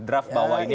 draft bawah ini